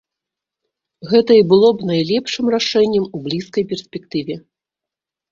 Гэта і было б найлепшым рашэннем у блізкай перспектыве.